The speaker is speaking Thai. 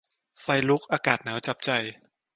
ไฟลุก อากาศหนาวจับใจ